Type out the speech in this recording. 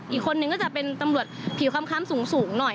อีกคนนึงก็จะเป็นตำรวจผิวค้ำสูงหน่อย